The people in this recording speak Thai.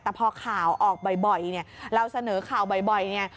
แต่พอข่าวออกบ่อยบ่อยเนี้ยเราเสนอข่าวบ่อยบ่อยเนี้ย